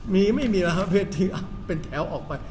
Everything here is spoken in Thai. มีไม่มีล้านเวทีอ่ะเป็นแถวออกไป